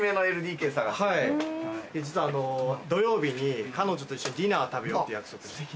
はい実はあの土曜日に彼女と一緒にディナー食べようって約束して。